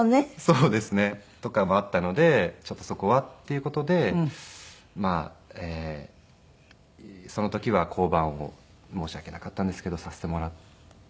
そうですね。とかもあったのでちょっとそこはっていう事でその時は降板を申し訳なかったんですけどさせてもらって。